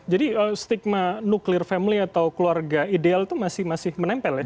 jadi stigma nuclear family atau keluarga ideal itu masih menempel ya